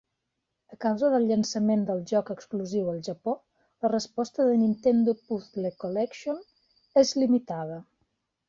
A causa del llançament del joc exclusiu al Japó, la resposta de "Nintendo Puzzle Collection" és limitada.